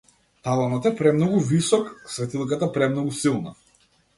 Таванот е премногу висок, светилката премногу силна.